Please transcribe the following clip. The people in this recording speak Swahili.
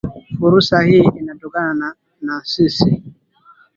furusa hii inatokana na na nisi